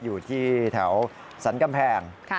อยู่ที่แถวสรรกำแพง